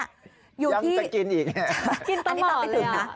ยังจะกินอีกเนี่ย